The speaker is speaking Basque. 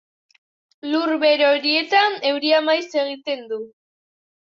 Lur bero horietan euria maiz egiten du.